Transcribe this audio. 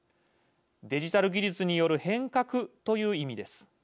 デジタル技術による変革という意味です。